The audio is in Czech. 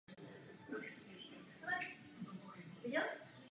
Samičky jsou o poznání větší a těžší než samečci.